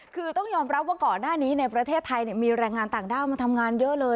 คือต้องยอมรับว่าก่อนหน้านี้ในประเทศไทยมีแรงงานต่างด้าวมาทำงานเยอะเลย